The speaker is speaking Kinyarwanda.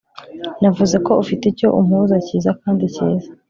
navuze ko ufite icyo umpuza cyiza kandi cyiza